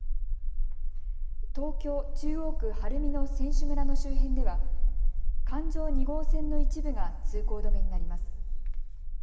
東京中央区晴海の選手村の周辺では環状２号線の一部が通行止めになります。